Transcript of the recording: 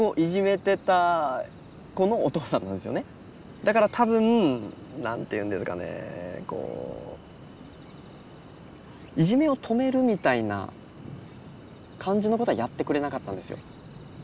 だから多分何て言うんですかねこういじめを止めるみたいな感じのことはやってくれなかったんですよ。